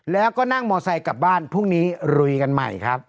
แล้วก็นั่งมอไซค์กลับบ้านพรุ่งนี้ลุยกันใหม่ครับ